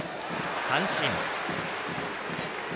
三振。